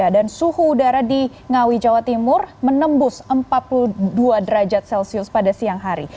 dan suhu udara di ngawi jawa timur menembus empat puluh dua derajat celcius pada siang hari